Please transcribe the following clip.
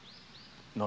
何？